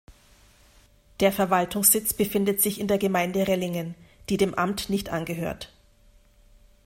Der Verwaltungssitz befindet sich in der Gemeinde Rellingen, die dem Amt nicht angehört.